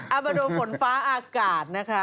เอามาดูฝนฟ้าอากาศนะคะ